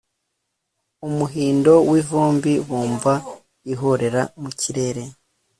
umuhindo w'ivumbi, bumva ihorera mu kirere